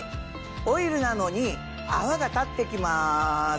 オイルなのに泡が立ってきます。